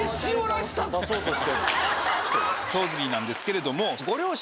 ソーズビーなんですけれども。